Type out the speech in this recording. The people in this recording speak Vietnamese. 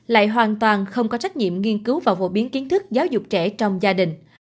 lại hoàn toàn không có trách nhiệm nghiên cứu và phổ biến kiến thức giáo dục trẻ trong gia đình